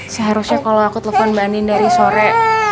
seharusnya kalau aku telepon mbak nin dari sore